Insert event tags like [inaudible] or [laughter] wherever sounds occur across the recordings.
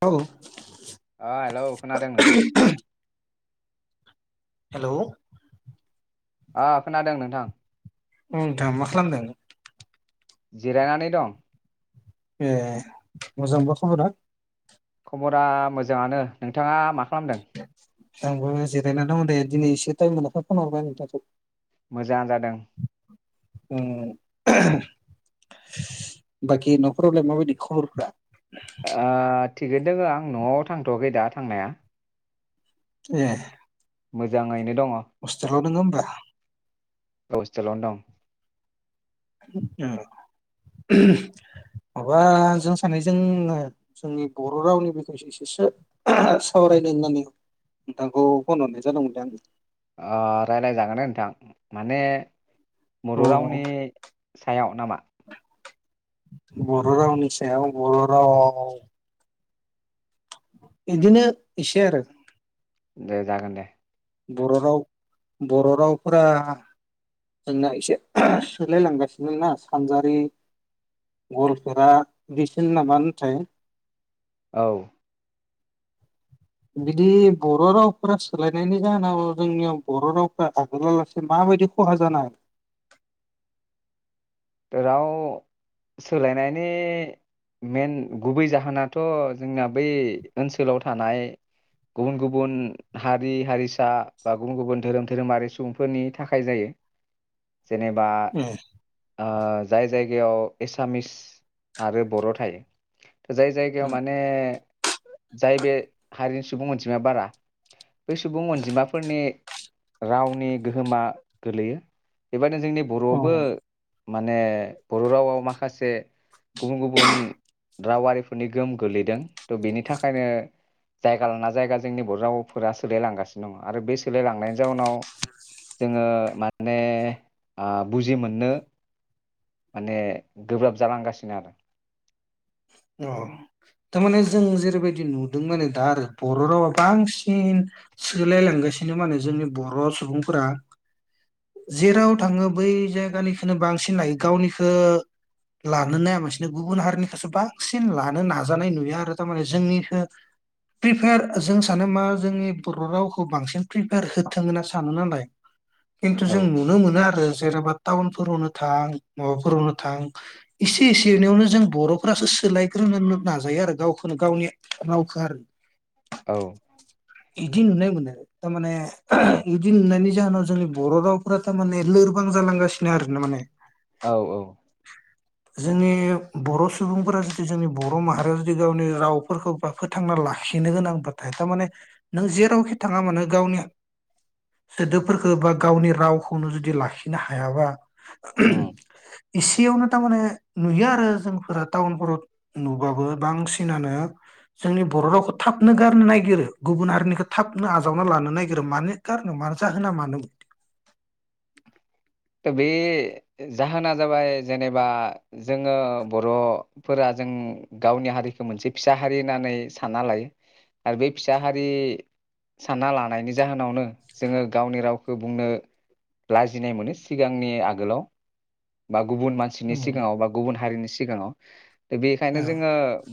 औ ओ हेलौ खोनादों नोंथां। हेलौ अ खोनादों नोंथां। उम नोंथां मा खालामदों? जिरायनानै दं। ए मोजांबा खबरा? खबरा मोजाङानो नोंथाङा मा खालामदों? आंबो जिरायना दङ दे दिनै एसे टाइम मोननायखाय फन हरबाय नोंथांखौ। मोजांनो जादों। ओम बाखि नखरावलाय माबायदि खबरफोरा? ओ थिगै दोङ आं नआव थांथयाखै दा थांनाया। ए मोजाङैनो दङ। अ दङ ओमबा? औ हस्टेलावनो दं। उम माबा जों सानैजों जोंनि बर रावनि [unintelligible] इसेसो सावरायनो होननानै नोंथांखौ फन हरनाय जादोंमोनलै आं ओ रायलायजागोन दे नोंथां माने औ बर' रावनि सायाव नामा? बर' रावनि सायाव बर' रावाव इदिनो इसे आरो दे जागोन दे। बर' राव बर'रावफोरा जोंना इसे सोलायलांगासिनो ना सानजारि गलफेरा बिसोर नामा ओनथाय औ बिदि बर' रावफोरा सोलायनायनि जाहोनाव जोंनियाव बर' रावफोरा आगोलावलासे माबायदि खहा जानाय राव सोलायनायनि मेन गुबै जाहोनाथ जोंना बै ओनसोलाव थानाय गुबुन गुबुन हारि हारिसा बा गुबुन गुबुन धोरोम धोरोमारि सुबुंफोरनि थाखाय जायो। जेनेबा ओ जाय जायगायाव एसामिस आरो बर' थायो। जाय जायगायाव माने जाय बे हारिनि सुबुं अनजिमाया बारा। बै सुबुं अनजिमाफोरनि रावनि गोहोमा गोलैयो बेबायदिनो जोंनि बर'आवबो माने बर' रावआव माखासे गुबुन गुबुन रावारिफोरनि गोहोम गोग्लैदों। थ' बेनि थाखायनो जायगा लाना जायगा जोंनि बर' रावफोरा सोलायलांगासिनो दङ आरो बे सोलायलांनायनि जाउनाव जोङो माने ओ बुजि मोननो माने गोब्राब जालांगासिनो आरो अ थारमाने जों जेरैबायदि नुदों माने दा आरो बर' रावा बांसिन सोलायलांगासिनो। माने जोंनि बर' सुबुंफोरा जेराव थाङो बै जायगानिखोनो बांसिन लायो गावनिखौ लानो नायाबासिनो गुबुन हारिनिखौसो बां सिन लानो नाजानाय नुयो आरो थारमाने जोंनिखो प्रिपेयार जों सानो मा जोंनि बर' रावखौ बांसिन प्रिपेयार होथों होनना सानो नालाय। खिन्थु औ जों नुनो मोना आरो। जेनबा टाउनफोरावनो थां माबाफोरावनो थां इसे इसे एनैयावनो जों बर'फोरासो सोलायग्रोनो नो नाजायो आरो गावखौनो गावनि रावखौ आरो। औ। बिदि नुनाय मोनो थारमाने बिदि नुनायनि जाहोनाव जोंनि बर' रावफोरा थारमाने लोरबां जालांगासिनो आरो ना माने औ औ। जोंनि बर' सुबुंफोरा जोंनि बर' माहारिया जुदि गावनि रावफोरखौ बा फोथांना लाखिनो गोनांबाथाय थारमाने नों जेरावखि थाङा मानो गावनि सोदोबफोरखौ बा गावनि रावखौनो जुदि लाखिनो हायाबा उम इसेयावनो थारमाने नुयो आरो जोंफोरा टाउनफोराव नुबाबो बांसिनानो जोंनि बर' रावखौ थाबनो गारनो नागिरो गुबुन हारिनिखो थाबनो आजावना लानो नाय बिसोर मानो गारनो मानो जाहोना मानो? थ' बे जाहोना जाबाय जेनेबा जोङो बर'फोरा जों गावनि हारिखौ मोनसे फिसा हारि होननानै सानना लायो आरो बे फिसा हारि सानना लानायनि जाहोनावनो जोङो गावनि रावखौ बुंनो लाजिनाय मोनो। सिगांनि आगोलाव बा गुबुन मानसिनि सिगाङाव बा गुबुन हारिनि सिगाङाव दा बेखायनो जोङो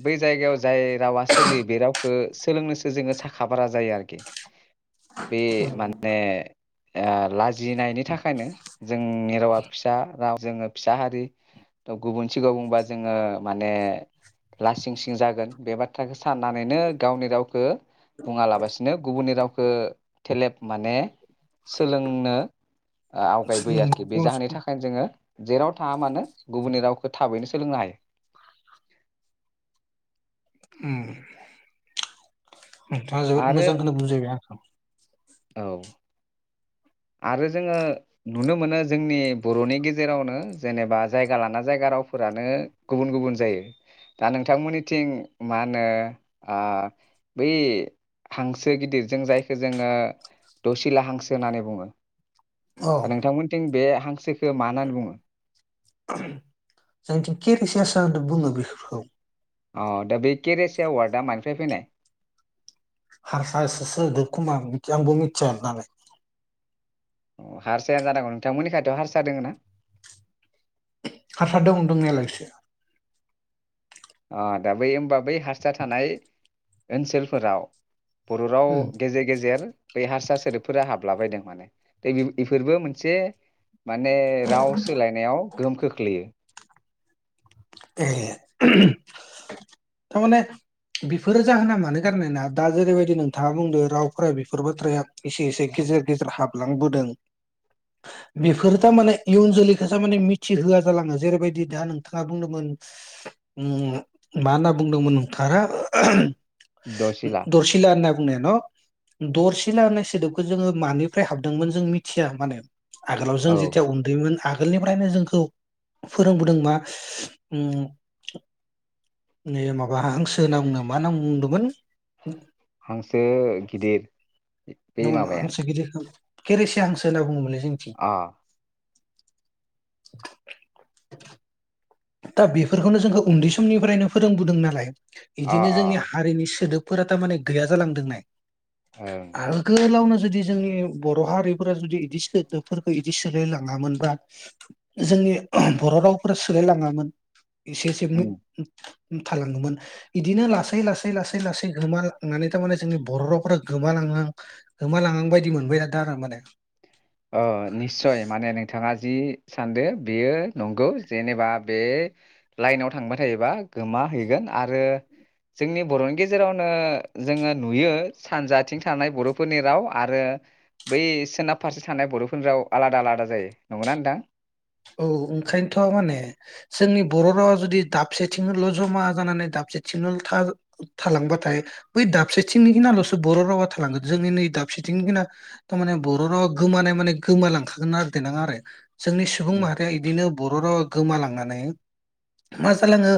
बेै जायगायाव जाय रावा सोलियो बे रावख खो सोलोंनोसो जोङो साखा भारा जायो आरोखि। बे माने ए लाजिनायनि थाखायनो जोंनि रावा फिसा राव जोङो फिसा हारि थ' गुबुन सिगाङाव बुंबा जोङो माने लासिं सिं जागोन बे बाथ्राखौ साननानैनो गावनि रावखौ बुङा लाबासिनो गुबुननि राव खौ थेलेब माने सोलोंनो - उगायबोयो आरोखि बे जाहोननि नोंथाङा थाखायनो जोङो जेराव थाङा मानो गुबुननि रावखौ थाबैनो सोलोंनो हायो। उम। नोंथाङा जोबोद आरो मोजांखौनो बुंजायबाय आंखौ। औ आरो जोङो नुनो मोनो जोंनि बर'नि गेजेरावनो जेनेबा जायगा लाना जायगा रावफोरानो गुबुन गुबुन जायो दा नोंथांमोननिथिं मा होनो आ बै हांसो गिदिरजों जायखौ जोङो दसिला हांसो होननानै बुङो। औ दा नोंथांमोनथिं बे हांसोखौ मा होननानै बुङो? जोंनिथिं केेरिसे आसा होनना बुङो बेफोरखौ। औ दा बे केरेसि अवार्डआ मानिफ्राय फैनाय? हारसा सो-सोदोब खोमा मिथिया आंबो मिथिया नालाय। अ हारसायानो जानांगौ नोंथांमोननि खायथ हारसा दोङ ना? हारसा दं दंनायालाय एसे। आ दा बै होमबा बै हारसा थानाय ओनसोलफोराव बर' राव गेजेर गेजेर बै हारसा सोदोबफोरा हाबला बायदों माने [unintelligible] इफोरबो मोनसे माने राव सोलायनायाव गोहोम खोख्लैयो। ए थारमाने बेफोरो जाहोना मानो गारनाय ना दा जेरैबायदि नोंथाङा बुंदों रावफोरा बेफोर बाथ्राया एसे एसे गेजेर गेजेर हाबलांबोदों बेफोरो थारमाने इयुन जोलैखौसो माने मिथिहोआ जालाङो जेरैबायदि दा नोंथाङा बुंदों मोन। ओ मा होनना बुंदोंमोन नोंथाङा? दसिला दर्सिला ना बुंनाय न। दरसिला होननाय सोदोबखौ जोङो मानिफ्राय हाबदोंमोन जों मिथिया माने आगोलाव जों औ जेथिया उन्दैमोन। आगोलनिफ्रायनो जोंखौ फोरोंबोदोंबा। ओम नै माबा हांसो [unintelligible] मा नां बुंदोंमोन? हांसो गिदिर। बे नङा नङा माबाया हांसो गिदिखन केेरेसिया हांसो होनना बुङोमोनलै। जोंनिथिं अ। दा बेफोरखौनो जोंखौ उन्दै समनिफ्रायनो फोरोंबोदों नालाय। अ बिदिनो जोंनि अ हारिनि सोदोब। फोरा थारमाने गैया जालांदों नाय। ओं आरो गोलावनो जुदि जोंनि बर' हारिफोरा जुदि इदि सोदोबफोरखौ इदि सोलाय लाङामोनबा जोंनि बर' रावफोरा सोलाय लाङामोन मोन एसे एसे उम थालांगौमोन इदिनो लासै लासै लासै लासै गोमालांनानै थारमाने जोंनि बर' रावफोरा गोमालाहां गोमालाहां बायदि मोनबाय दा आरो माने अ निस्सय माने नोंथाङा जि सानदो बेयो नंगौ जेनेबा बे लाइनाव थांबाय थायोबा गोमा हैैगोन आरो जोंनि बर'नि गेजेरावनो जोङो नुयो सानजाथिं थानाय बर'फोरनि राव आरो बै सोनाब फारसे थानाय बर'फोरनि आलादा आलादा जायो नंगोना नोंथां? औ ओंखायनोथ माने जोंनि बर' रावा जुदि दाबसेथिंनोल जमा जानानै दाबसेथिंनो था थालांबाथाय बै दाबसेथिंनिखिनियालसो बर' रावा थालांगोन जोंनि नै दाबसेथिंनिखना थारमाने बर' रावा गोमानाय माने गोमालांखागोन आरो देनां जोंनि सुबुं उम। माहारिया इदिनो बर' रावा गोमालांनानै मा जालाङो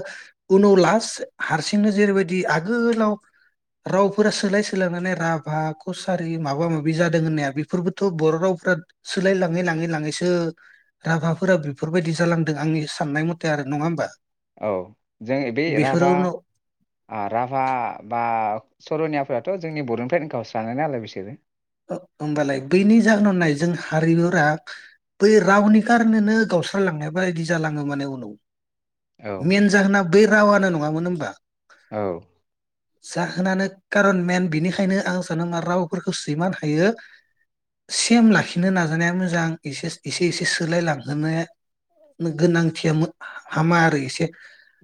उनाव लास्ट हारसिंनो जेरैबायदि आगोलाव रावफोरा सोलाय सोलायनानै राभा कसारि माबा माबि जादों होननाया बेफोरबोथ बर' रावफोरा सोलाय लाङै लाङै लाङैसो राभाफोरा बेफोरबायदि जालांदों आंनि साननाय मथे आरो नंङा होमबा? औ जों बे बेफोरो राभा उनाव ओ राभा बा सरनियाफोराथ' जोंनि बर'निफ्रायनो गावस्रानाय नालाय बिसोरो होमबालाय बैनि जाहोनाव नाय हारिगोरा जों बै रावनि कारनिनो गावस्रालांनाय बायदि जालाङो माने उनाव औ मेन जाहोना बै रावानो नङामोन होनबा औ जाहोनानो कारन मेन बिनिखायनो आं साननो मा रावफोरखौ बिमा थायो सेम लाखिनो नाजानाया मोजां एसेस एसे एसे सोलाय लांहोनाया गोनांथिया हामा आरो एसे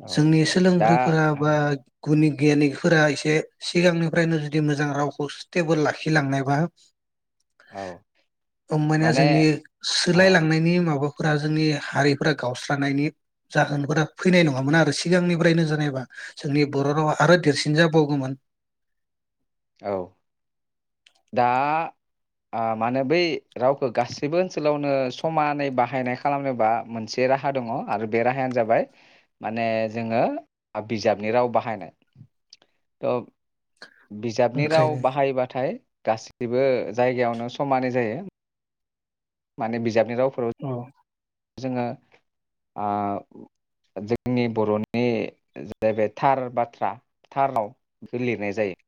औ जोंनि दा सोलोंग्रोफोरा बा ओं, गुनि गियानिफोरा एसे सिगांनिफ्रायनो जुदि मोजां रावखौ स्टेबोल लाखि खिलांनायबा औ होमबानिया माने जोंनि आ सोलायलांनायनि माबा फोरा जोंनि हारिफोरा गावस्रानि जाहोनफोरा फैनाय नङामोन आरो सिगांनिफ्रायनो जानायबा जोंनि बर' रावा आरो देरसिन जाबावगौमोन औ दा अ माने बै रावखौ गासैबो ओनसोलावनो समानै बाहायनाय खालामनोबा मोनसे राहा दङ आरो बे राहायानो जाबाय माने जोङो बिजाबनि राव बाहायनाय औ बिजाबनि राव ओंखायनो बाहायबाथाय गासिबो जायगायावनो समानै जायो। माने बिजाबनि राव औ जोङो आ जोंनि बर'नि जाहैबाय थार बाथ्रा थार राव बेखौ लिरनाय जायो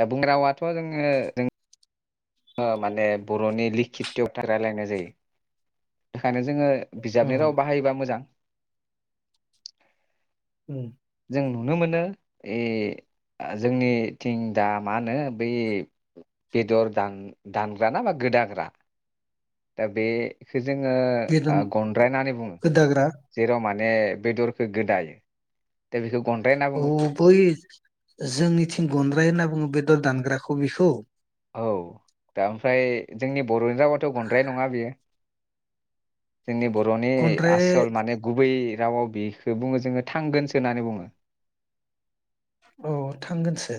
दा बुं रावाथ' जोङो जों ओ माने बर'नि लिखित'थार रायलायनाय जायो थानो जोङो बिजाबनि राव औ बाहायोबा मोजां [inaudible] औ जों नुनो मोनो ए जोंनिथिं दा मा होनो बै बेदर दान-दानग्रा ना बा गोदाग्रा दा बे जोङो बेदन ओ गनद्राय होननानै बुङो गोदाग्रा जेराव मान ने बेदरखो गोदायो दा बेखौ गनद्राय होनना औ बुङो बै जोंनिथिं गनद्राय होनना बुङो बे दर दानग्राखौ बेखौ औ दा ओमफ्राय जोंनि बर'नि रावाथ' गनद्राय नङा बियो जोंनि बर'नि गनद्राय आसल माने गुबै रावाव बेखौ बुङो जोङो थांगोनसो होननानै बुङो। औ थांगोनसो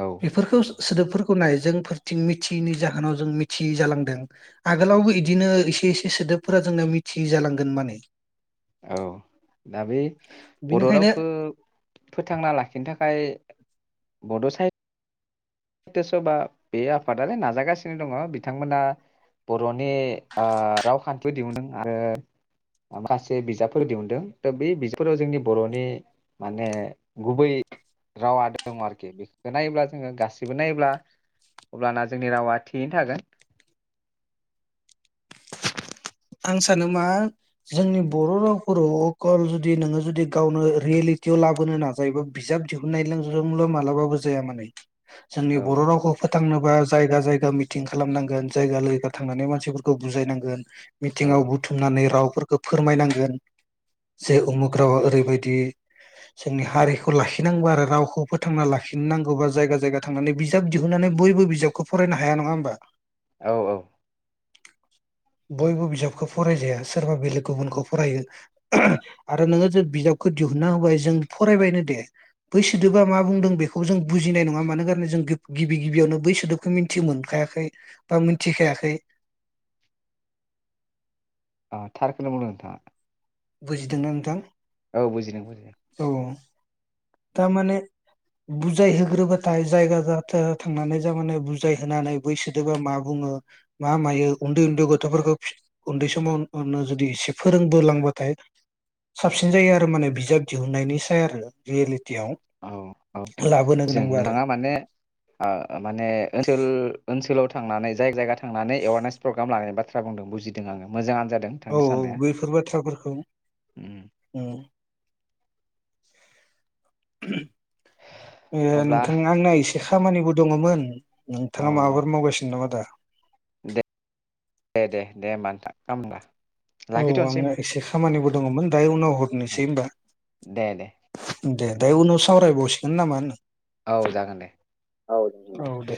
औ बेफोरखौ सोदोबफोर खौ नाय जोंफोरथिं मिथिनि जाहोनाव जों मिथियि जालांदों आगोलावबो इदिनो एसे इसे सोदोबफोरा जोंना मिथियि जालांगोन माने औ दा बे बर' बिनिखायनो रावखौ फोथांना लाखिनो थाखाय बड' सा हित्य सभा बे आफादानो नाजागासिनो दङ बिथांमोना बर'नि ओ रावखान्थिफोर दिहुनदों आरो माखासे बिजाबफोर दिहुनदों दा बे बिजाबफोराव जोंनि बर'नि माने गुबै रावा दङ आरोखि बेखौ नायोब्ला जोङो गासै बेखौ नायोब्ला अब्लाना जोंनि रावा थियैनो थागोन आं सानो मा जोंनि बर रावफोराव अकल जुदि नोङो जुदि गावनो रियेलिटियाव लाबोनो नाजायोबा बिजाब दिहुननाय जोंल मालाबाबो जाया माने जोंनि औ बर रावखौ फोथांनो बा जायगा जायगा मिटिं खालामनांगोन जायगा लैयगा थांनानै मानसिफोरखौ बुजायनांगोन। औ मिथिङाव बुथुमनानै राव फोरखो फोरमायनांगोन जे उमुग रावा ओरैबायदि जोंनि हारिखौ लाखिनांगौबा आरो रावखौ फोथांना लाखिनांगौबा जायगा जायगा थांनानै बिजाब दिहुननानै बयबो बिजाबखौ फरायनो हाया नङा होमबा? औ औ बयबो बिजाबखौ फरायजाया सोरबा बेलेग गुबुनखौ फरायो आरो नोङो जे बिजाबखौ दिहुनना होबाय जों फरायबायनो दे बै सोदोबा मा बुंदों बेखौ जों बुजिनाय नङा मानोखारै जों गिबि गिबियावनो बै सोदोबखौ मिथि मोनखायाखै बा मिथिखायाखै। अ थारखोनो बुंदो नोंथाङा। बुजिदोंना नोंथां? औ बुजिदों बुजिदों। तारमाने बुजायहोग्रोबाथाय जायगा जाथ थांनानै जारशमाने बुजायहोनानै बैसोदोबा मा बुङो मा मायो उन्दै उन्दै गथफोरखौ उन्दै समाव जुदि एसे फोरोंबोलांबा थाय साबसिन जायो आरो माने बिजाब दिहुननायनि साय आरो रियेलिटि औ औ जों आरो नोंथाङा माने ओ माने ओनसोल ओनसोलाव थांनानै जाय जायगा थांनानै एवारनेस प्रग्राम लानाय बाथ्रा बुंदों बुजिदों आङो मोजां औ औ बेफोर बाथ्राफोरखौ उम। [unintelligible] ए अब्ला नोंथां आंना एसे खामानिबो दङमोन अ नोंथाङा माबाफोर मावगासिनो नामा दा? दे दे दे होमबा नोंथां [inaudible] औ आङो एसे खामानिबो दङमोन दायो उनाव ओ हरनोसै होमबा दे दे। दे दायो उनाव सावरायबावसिगोन ना मा होनो? औ जागोन दे। औ औ दे।